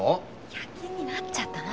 夜勤になっちゃったの。